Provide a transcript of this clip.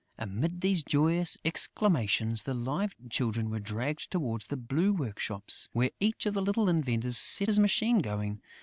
Amid these joyous exclamations, the Live Children were dragged towards the blue workshops, where each of the little inventors set his machine going.